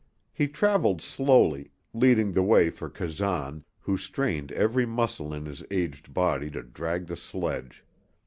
He traveled slowly, leading the way for Kazan, who strained every muscle in his aged body to drag the sledge.